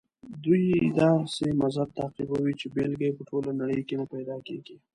دوی داسې مذهب تعقیبوي چې بېلګه یې په ټوله نړۍ کې نه پیدا کېږي.